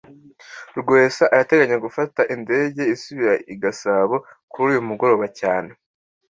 Rwesa arateganya gufata indege isubira i Gasabo kuri uyu mugoroba cyane